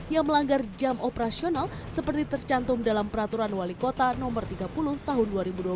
yang melanggar jam operasional seperti tercantum dalam peraturan wali kota no tiga puluh tahun dua ribu dua puluh